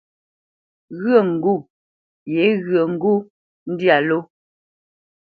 Ghyə̌ gho yéghyə́ gho ndyâ ló.